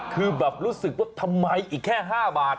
คือแบบรู้สึกว่าทำไมอีกแค่๕บาท